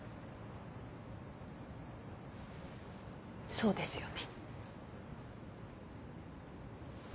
そうですよね。